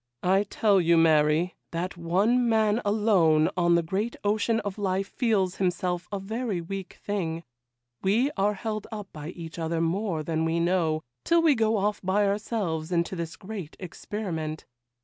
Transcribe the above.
I tell you, Mary, that one man alone on the great ocean of life feels himself a very weak thing: we are held up by each other more than we know, till we go off by ourselves into this great experiment.